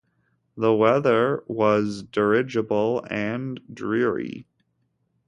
The weather was dirigible and dreary.